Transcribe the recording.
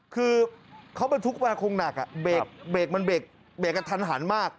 คือเขาบรรทุกมาคงหนักเบรกมันเบรกกันทันหันมาก